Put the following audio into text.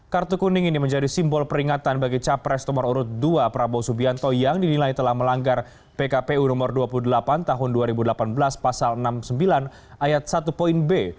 kartu kuning ini menjadi simbol peringatan bagi capres nomor urut dua prabowo subianto yang dinilai telah melanggar pkpu nomor dua puluh delapan tahun dua ribu delapan belas pasal enam puluh sembilan ayat satu b